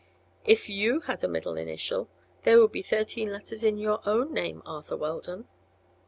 "If you had a middle initial, there would be thirteen letters in your own name, Arthur Weldon."